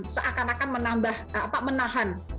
seakan akan menambah apa menahan